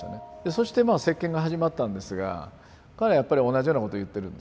そしてまあ接見が始まったんですが彼はやっぱり同じようなことを言ってるんですね